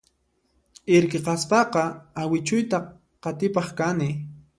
Irqi kaspaqa awichuyta qatipaq kani